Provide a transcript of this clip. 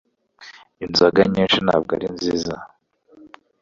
inzoga nyinshi ntabwo ari nziza